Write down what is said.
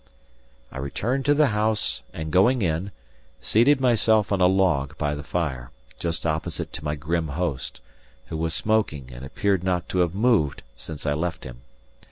I returned to the house and, going in, seated myself on a log by the fire, just opposite to my grim host, who was smoking and appeared not to have moved since I left him.